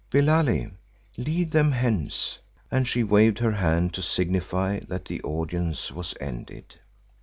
Billali, lead them hence," and she waved her hand to signify that the audience was ended.